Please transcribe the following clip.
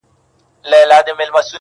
o سواهد ټول راټولوي,